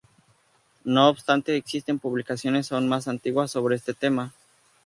No obstante existen publicaciones aún más antiguas sobre este tema.